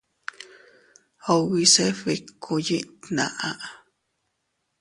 Ubi se bikkúu yiʼin tnaʼa.